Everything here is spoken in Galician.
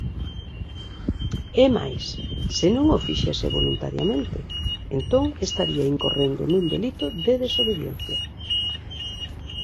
É máis, se non o fixese voluntariamente, entón estaría incorrendo nun delito de desobediencia.